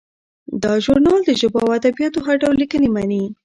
دا ژورنال د ژبو او ادبیاتو هر ډول لیکنې مني.